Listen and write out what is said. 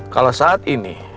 kalau saat ini